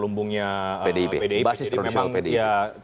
lumbungnya pdip jadi memang ya